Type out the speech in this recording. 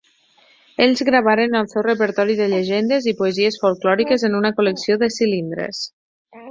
Ells gravaren el seu repertori de llegendes i poesies folklòriques en una col·lecció de cilindres.